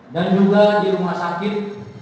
dan juga di rumah sakit